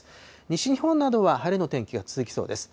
西日本などは晴れの天気が続きそうです。